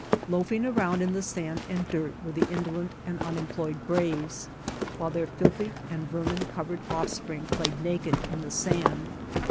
Loafing around in the sand and dirt were the indolent and unemployed braves, while their filthy and vermin covered offspring played naked in the sand.